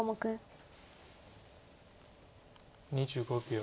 ２５秒。